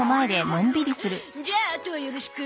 じゃああとはよろしく。